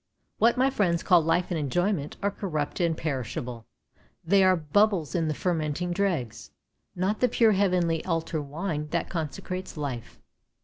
What my friends call life and enjoyment are corrupt and perishable — they are bubbles in the fermenting dregs, not the pure heavenly altar wine that consecrates life.